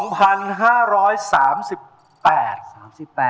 ปี๒๕๓๘